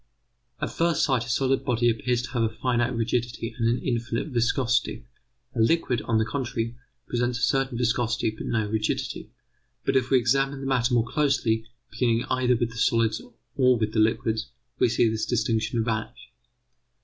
At first sight a solid body appears to have a finite rigidity and an infinite viscosity; a liquid, on the contrary, presents a certain viscosity, but no rigidity. But if we examine the matter more closely, beginning either with the solids or with the liquids, we see this distinction vanish.